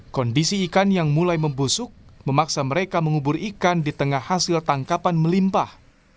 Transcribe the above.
kondisi ikan yang mulai membusuk memaksa mereka mengubur ikan di tengah hasil tangkapan melimpah